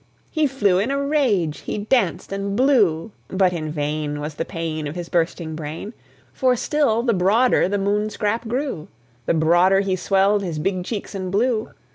He flew in a rage he danced and blew; But in vain Was the pain Of his bursting brain; For still the broader the Moon scrap grew, The broader he swelled his big cheeks and blew.